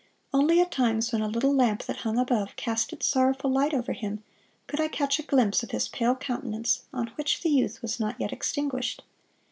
Only at times, when a little lamp that hung above cast its sorrowful light over him, could I catch a glimpse of his pale countenance, on which the youth was not yet extinguished.